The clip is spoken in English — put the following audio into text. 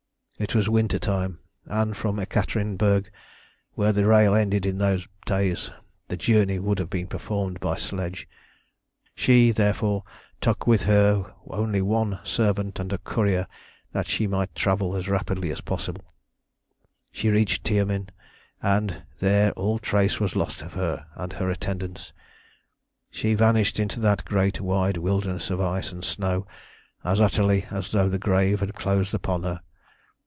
"It was winter time, and from Ekaterinenburg, where the rail ended in those days, the journey would have to be performed by sledge. She, therefore, took with her only one servant and a courier, that she might travel as rapidly as possible. "She reached Tiumen, and there all trace was lost of her and her attendants. She vanished into that great white wilderness of ice and snow as utterly as though the grave had closed upon her.